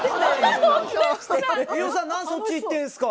飯尾さん何でそっち行ってるんすか？